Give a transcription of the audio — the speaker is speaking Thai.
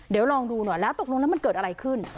เดี๋ยวลองดูหน่อยแล้วตกลงแล้วมันเกิดอะไรขึ้น